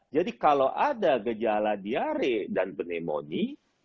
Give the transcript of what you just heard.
jadi kalau ada gejala diare dan pneumonia